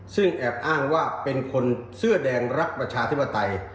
ซึ่งแอบอ้างว่าเป็นคนเสื้อแดงรักประชาธิปไตย